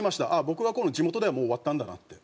僕はこの地元ではもう終わったんだなって。